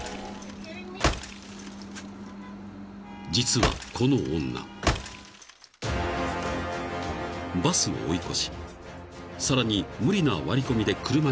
［実はこの女バスを追い越しさらに無理な割り込みで車に接触］